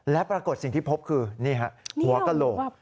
และปรากฏสิ่งที่พบคือนี่ฮะหัวกระโหลก